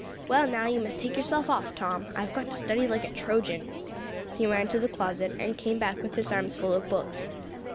"Well, now, you must take yourself off, Tom; I've got to study like a Trojan." He ran to the closet, and came back with his arms full of books.